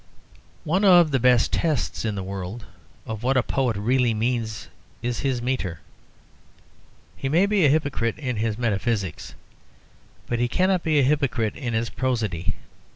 One of the best tests in the world of what a poet really means is his metre. He may be a hypocrite in his metaphysics, but he cannot be a hypocrite in his prosody.